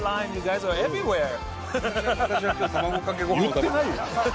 言ってないよ！